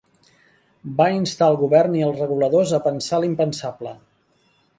Va instar el govern i els reguladors a "pensar l'impensable".